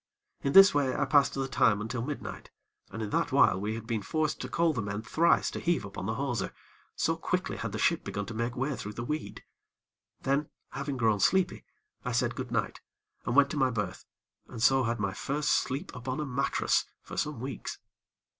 In this way, I passed the time until midnight, and in that while we had been forced to call the men thrice to heave upon the hawser, so quickly had the ship begun to make way through the weed. Then, having grown sleepy, I said goodnight, and went to my berth, and so had my first sleep upon a mattress, for some weeks.